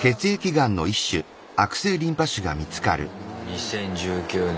２０１９年。